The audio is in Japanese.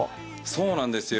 そうなんですよ。